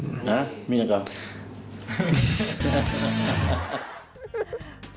มิสอะไรก่อน